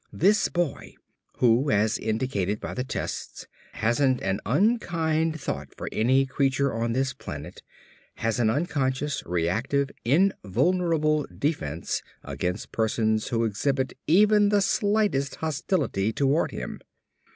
This boy, who, as indicated by the tests, hasn't an unkind thought for any creature on this planet, has an unconscious, reactive, invulnerable defense against persons who exhibit even the slightest hostility toward him.